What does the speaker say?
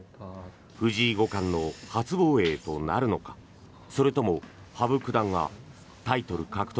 藤井五冠の初防衛となるのかそれとも羽生九段がタイトル獲得